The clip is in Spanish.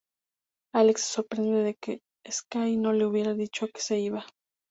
Alex se sorprende de que Skye no le hubiera dicho que se iba.